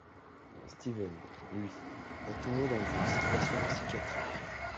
Steven, lui, est toujours dans une institution psychiatrique.